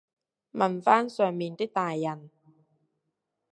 問返上面啲大人